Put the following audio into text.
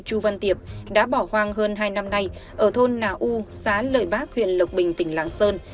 chu văn tiệp đã bỏ hoang hơn hai năm nay ở thôn nà u xã lợi bác huyện lộc bình tỉnh lạng sơn